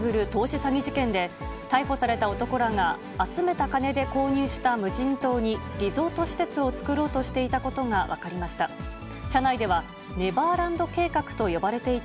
詐欺事件で、逮捕された男らが、集めた金で購入した無人島に、リゾート施設を造ろうとしていたことが分かりました。